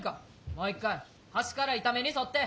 もう一回端から板目に沿って。